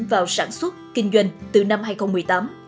và phát triển bình luận vào sản xuất kinh doanh từ năm hai nghìn một mươi tám